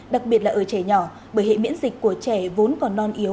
đặc biệt là ở trẻ nhỏ bởi hệ miễn dịch của trẻ vốn còn non yếu